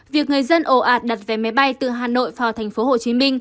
việc người dân ồ ạt đặt vé máy bay từ hà nội vào tp hcm